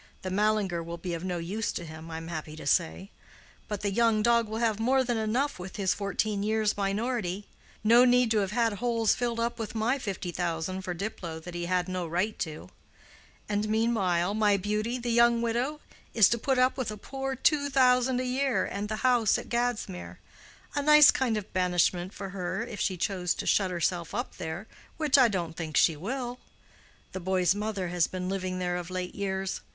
The Mallinger will be of no use to him, I am happy to say; but the young dog will have more than enough with his fourteen years' minority—no need to have had holes filled up with my fifty thousand for Diplow that he had no right to: and meanwhile my beauty, the young widow, is to put up with a poor two thousand a year and the house at Gadsmere—a nice kind of banishment for her if she chose to shut herself up there, which I don't think she will. The boy's mother has been living there of late years.